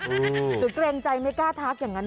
เกรงใจไม่กล้าทักอย่างนั้น